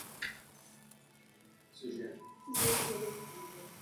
Skupinu místních obyvatel Němci odvlekli jako rukojmí a za několik dní je propustili.